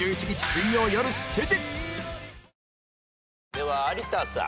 では有田さん。